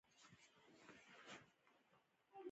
ویده انسان له ستونزو هېر وي